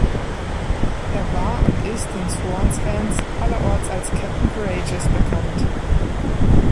Er war und ist den Swans-Fans allerorts als „Captain Courageous“ bekannt.